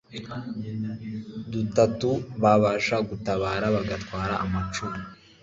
dutatu babasha gutabara bagatwara amacumu